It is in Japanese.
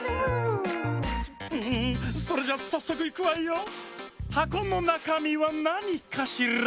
んそれじゃさっそくいくわよ！はこのなかみはなにかしら？